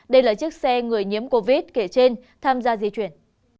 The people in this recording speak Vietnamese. đây là chiếc xe người nhiễm covid kể trên tham gia di chuyển